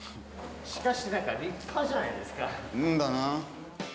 しかし、なんか立派じゃないだな。